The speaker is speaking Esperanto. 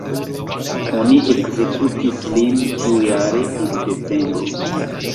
Oni ekzekutis lin tiujare, en decembro.